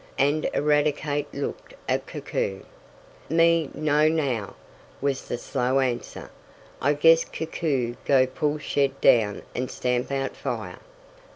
and Eradicate looked at Koku. "Me no know," was the slow answer. "I guess Koku go pull shed down and stamp out fire."